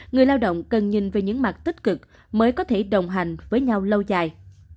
người lao động cần nhìn về những mặt tích cực mới có thể đồng hành với nhau lâu dài